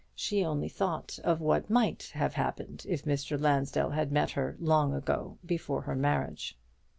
She only thought of what might have happened if Mr. Lansdell had met her long ago before her marriage.